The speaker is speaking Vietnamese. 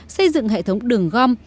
xây dựng hệ thống đường gom